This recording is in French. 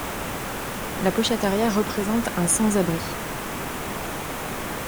La pochette arrière représente un sans abri.